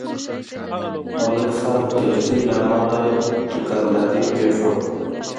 ملک صاحب د لټۍ له امله دوکانداري پرېښوده.